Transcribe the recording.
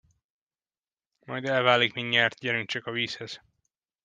Majd elválik mindjárt, gyerünk csak a vízhez!